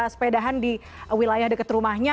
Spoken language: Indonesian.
sepedahan di wilayah dekat rumahnya